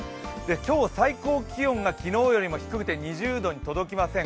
今日最高気温が昨日よりも低くて２０度に届きません。